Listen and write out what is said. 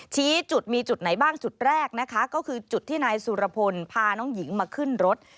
ชี้จุดมีจุดไหนบ้างจุดแรกนะคะก็คือจุดที่นายสุรพลพาน้องหญิงมาขึ้นรถ